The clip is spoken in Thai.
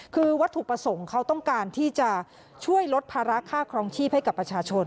คือวัตถุประสงค์เขาต้องการที่จะช่วยลดภาระค่าครองชีพให้กับประชาชน